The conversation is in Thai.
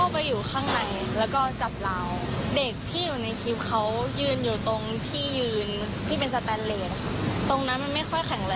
มีโทษบอกไหมว่ารถเต็มแล้วไม่ให้ขึ้น